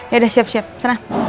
yaudah siap siap sana